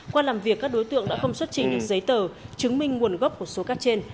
qua làm việc các đối tượng đã không xuất trị những giấy tờ chứng minh nguồn gốc của số cắt trên